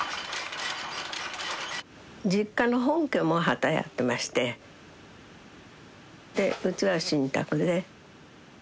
実家の本家も機やってましてでうちは新宅で。